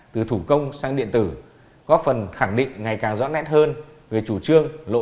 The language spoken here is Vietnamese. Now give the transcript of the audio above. từ thủ công sang điện tử